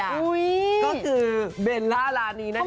ก็คือเบลล่ารานีนั่นเอง